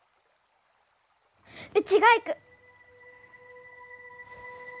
うちが行く。